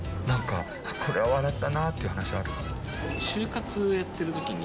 これは笑ったなっていう話はある？